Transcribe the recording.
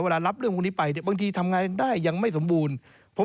วันเรียบรับเรื่องุณีไปบางทีทำงานได้ยังไม่สมบูรณ์